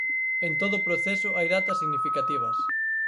En todo proceso hai datas significativas.